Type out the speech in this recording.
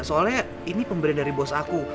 soalnya ini pemberian dari bos aku